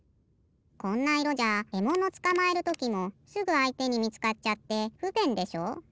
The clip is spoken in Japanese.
こんないろじゃえものつかまえるときもすぐあいてにみつかっちゃってふべんでしょ？